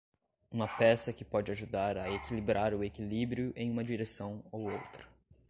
Uma peça que pode ajudar a equilibrar o equilíbrio em uma direção ou outra.